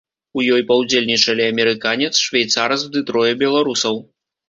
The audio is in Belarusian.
У ёй паўдзельнічалі амерыканец, швейцарац ды трое беларусаў.